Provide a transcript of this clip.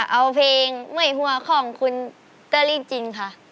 เอาเพลงเมื่อยหัวของคุณเตอรี่จริงค่ะ